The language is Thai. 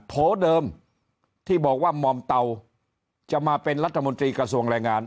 โผล่เดิมที่บอกว่าหม่อมเตาจะมาเป็นรัฐมนตรีกระทรวงแรงงาน